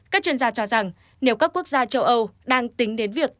các chuyên gia cho rằng nếu các quốc gia châu âu đang tính đến việc